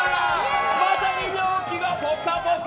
まさに陽気は「ぽかぽか」。